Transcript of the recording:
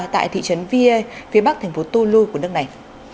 tại thị trấn vie phía bắc thành phố tulu của nước này